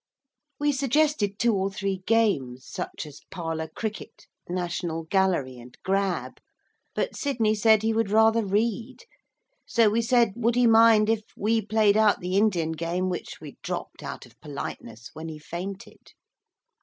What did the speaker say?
We suggested two or three games, such as Parlour Cricket, National Gallery, and Grab but Sidney said he would rather read. So we said would he mind if we played out the Indian game which we had dropped, out of politeness, when he fainted.